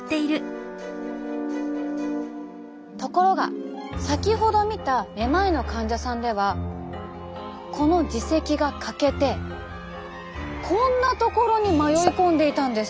ところが先ほど見ためまいの患者さんではこの耳石が欠けてこんな所に迷い込んでいたんです。